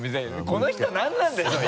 この人何なんだよ！